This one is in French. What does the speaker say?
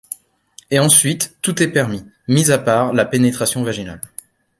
Ensuite, tout est permis, mise à part la pénétration vaginale.